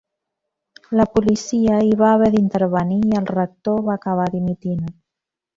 La policia hi va haver d'intervenir i el rector va acabar dimitint.